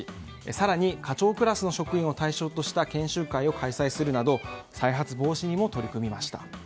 更に課長クラスの職員を対象とした研修会を開催するなど再発防止にも取り組みました。